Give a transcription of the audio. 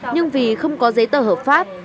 nhưng vì không có giấy tờ hợp pháp